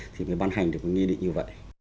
thì mới ban hành được cái nghị định như vậy